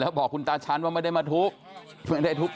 แล้วบอกคุณตาฉันว่าไม่ได้มาทุบ